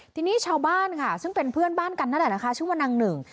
ทีนี้ชาวบ้านค่ะซึ่งเป็นเพื่อนบ้านกันนั่นแหละนะคะชื่อว่านางหนึ่ง